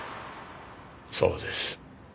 そうです。